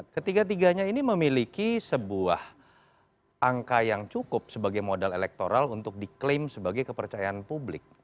ketiga tiganya ini memiliki sebuah angka yang cukup sebagai modal elektoral untuk diklaim sebagai kepercayaan publik